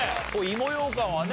芋ようかんはね